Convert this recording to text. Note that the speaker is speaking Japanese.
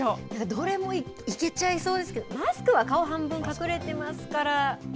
どれもいけちゃいそうですけど、マスクは顔半分隠れてますか